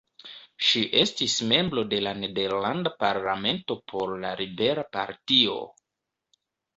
Ŝi estis membro de la nederlanda parlamento por la liberala partio.